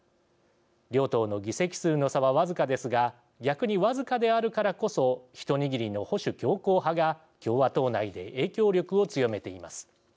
両党の議席数の差は僅かですが逆に僅かであるからこそ一握りの保守強硬派が共和党内で影響力を強めています。